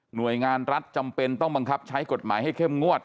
โดยงานรัฐจำเป็นต้องบังคับใช้กฎหมายให้เข้มงวด